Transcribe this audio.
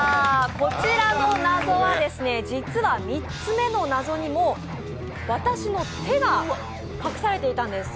こちらの謎は、実は３つ目の謎に私の手が隠されていたんです。